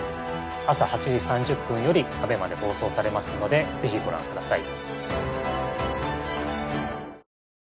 朝８時３０分よりＡＢＥＭＡで放送されますのでぜひご覧ください。